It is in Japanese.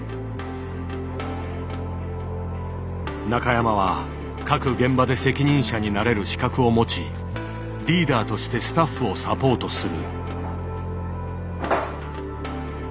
中山は各現場で責任者になれる資格を持ちリーダーとしてスタッフをサポートする。